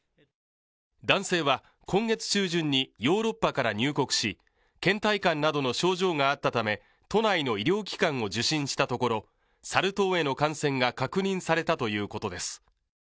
男性は今月中旬にヨーロッパから入国しけん怠感などの症状があったため都内の医療機関を受診したところサル痘への感染が確認されたということです。